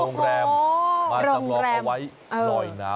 โอ้โฮโรงแรมมาซ้ำลองเอาไว้ลอยน้ำ